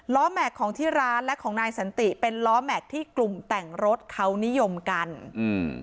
แม็กซ์ของที่ร้านและของนายสันติเป็นล้อแม็กซ์ที่กลุ่มแต่งรถเขานิยมกันอืม